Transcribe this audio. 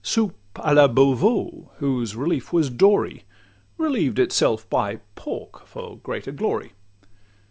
'Soupe a la Beauveau,' whose relief was dory, Relieved itself by pork, for greater glory.